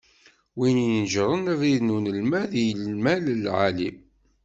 Win ineǧǧṛen abrid n unelmad i yimal n lεali.